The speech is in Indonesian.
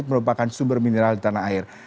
merupakan sumber mineral di tanah air